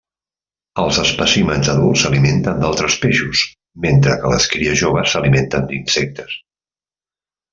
Els espècimens adults s’alimenten d’altres peixos, mentre que les cries joves s’alimenten d’insectes.